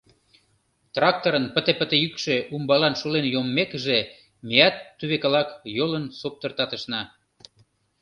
Тракторын пыте-пыте йӱкшӧ умбалан шулен йоммекыже, меат тувекылак йолын соптыртатышна.